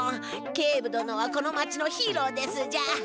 警部どのはこの町のヒーローですじゃ。